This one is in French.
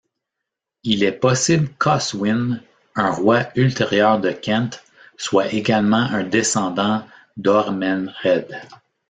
Il est possible qu'Oswine, un roi ultérieur de Kent, soit également un descendant d'Eormenred.